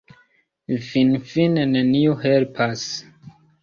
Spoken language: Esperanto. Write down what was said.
Finfine neniu helpas.